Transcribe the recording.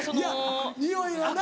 いやにおいがな。